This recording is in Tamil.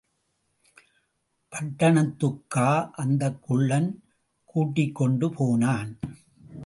பட்டணத்துக்கா அந்தக் குள்ளன் கூட்டிக்கொண்டு போனான்?